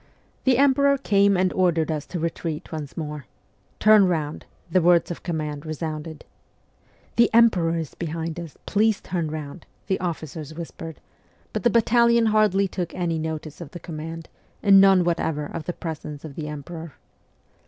The emperor came and ordered to retreat once more ' Turn round !' the words of command resounded. * The emperor is behind us, please turn round,' the officers whispered ; but the battalion hardly took any notice of the command, and none whatever of the presence of the emperor.